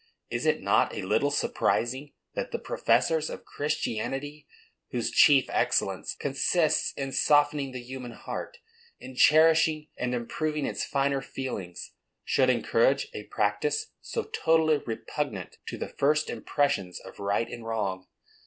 Is it not a little surprising that the professors of Christianity, whose chief excellence consists in softening the human heart, in cherishing and improving its finer feelings, should encourage a practice so totally repugnant to the first impressions of right and wrong?